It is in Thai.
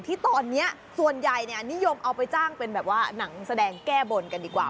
ที่ตอนนี้ส่วนใหญ่นิยมเอาไปจ้างเป็นแบบว่าหนังแสดงแก้บนกันดีกว่า